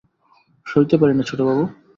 সইতে পারি না ছোটবাবু।